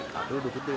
kadu udah putih